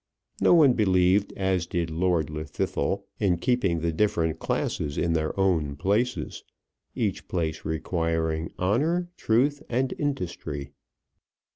No one believed as did Lord Llwddythlw in keeping the different classes in their own places, each place requiring honour, truth, and industry.